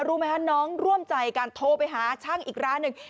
รู้ไหมคะน้องร่วมใจการโทรไปหาช่างอีกร้านหนึ่ง